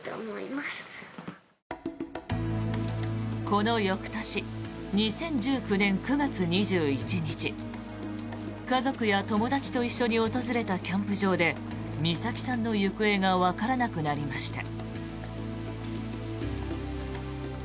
この翌年２０１９年９月２１日家族や友達と一緒に訪れたキャンプ場で美咲さんの行方がわからなくなりました。